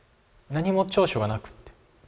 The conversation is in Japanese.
何も長所がなくて。